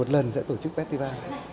tổ chức festival